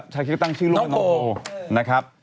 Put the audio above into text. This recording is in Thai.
ชาคริสตั้งชื่อลูกน้องโพ